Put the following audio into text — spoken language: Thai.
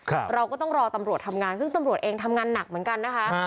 เราก็ต้องรอตำรวจทำงานซึ่งตำรวจเองทำงานหนักเหมือนกันนะคะ